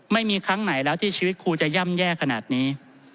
ไม่มีครั้งไหนแล้วที่ชีวิตครูจะย่ำแย่ขนาดนี้